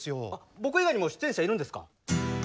僕以外にも出演者いるんですか？